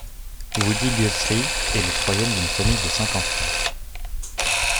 Woody Guthrie est le troisième d'une famille de cinq enfants.